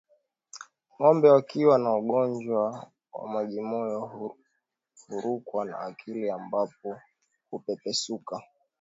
Ngombe wakiwa na ugonjwa wa majimoyo hurukwa na akili ambapo hupepesuka